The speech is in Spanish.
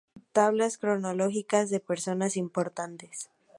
Tablas cronológicas de personas importantes.